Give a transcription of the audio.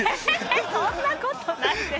そんなことないです。